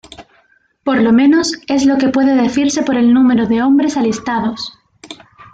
Por lo menos, es lo que puede decirse por el número de hombres alistados.